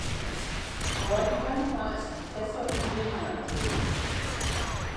Wolfgang war als Professor in Wilna tätig.